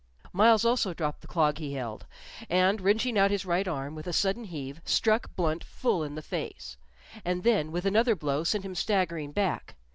Myles also dropped the clog he held, and, wrenching out his right arm with a sudden heave, struck Blunt full in the face, and then with another blow sent him staggering back.